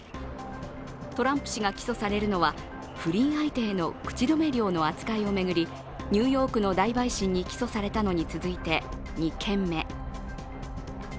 トランプ氏が起訴されるのは不倫相手への口止め料の扱いを巡りニューヨークの大陪審に起訴されたのに続いて２件目。